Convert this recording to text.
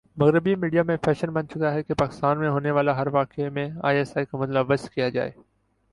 مغربی میڈیا میں فیشن بن چکا ہے کہ پاکستان میں ہونے والےہر واقعہ میں آئی ایس آئی کو ملوث کیا جاۓ